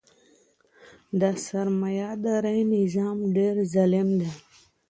د سرمایه دارۍ نظام ډیر ظالم دی.